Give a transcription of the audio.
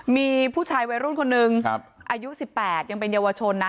มีผู้ชายวัยรุ่นคนนึงอายุ๑๘ยังเป็นเยาวชนนะ